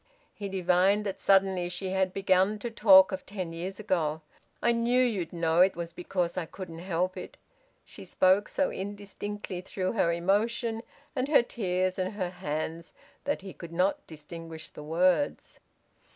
_" He divined that suddenly she had begun to talk of ten years ago. "I knew you'd know it was because I couldn't help it." She spoke so indistinctly through her emotion and her tears, and her hands, that he could not distinguish the words.